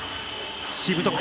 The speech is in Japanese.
しぶとく